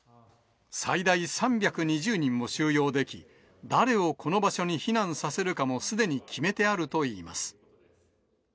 最大３２０人を収容でき、誰をこの場所に避難させるかも、すでに決めてあるといいます。